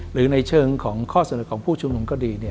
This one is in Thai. หรือในเชิงของข้อเสนอของผู้ชุมนุมก็ดี